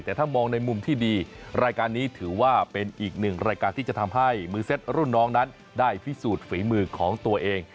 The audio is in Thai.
แต่ถ้ามองในมุมที่ดีรายการนี้ถือว่าเป็นอีกหนึ่งรายการที่จะทำให้มือเซ็ตรุ่นน้องนั้นได้พิสูจน์ฝีมือของตัวเอง